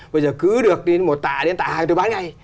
bây giờ cứ được đi một tạ đến tạ hai tôi bán ngay